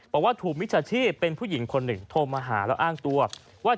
บอกว่าถูกมิจฉาชีพเป็นผู้หญิงคนหนึ่งโทรมาหาแล้วอ้างตัวว่า